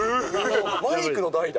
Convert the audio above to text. マイクの代打？